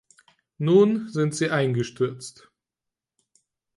Nun sind sie eingestürzt!